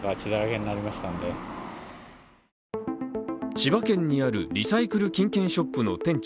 千葉県にあるリサイクル・金券ショップの店長